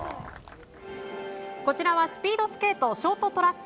こちらはスピードスケートショートトラック